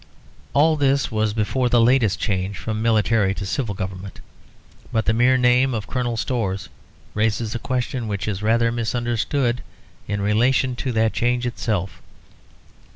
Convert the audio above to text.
All this was before the latest change from military to civil government, but the mere name of Colonel Storrs raises a question which is rather misunderstood in relation to that change itself.